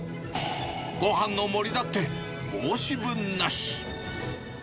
ごはんの盛りだって申し分なし。